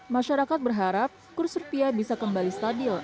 masyarakat berharap kurs rupiah bisa kembali stabil